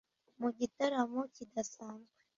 Mu gitaramo kidasanzwe